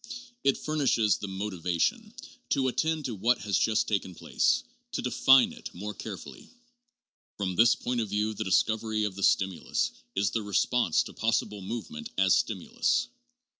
It furnishes the motivation to attend to what has just taken place ; to define it more carefully. From this point of view the dis covery of the stimulus is the ' response ' to possible movement as ' stimulus.'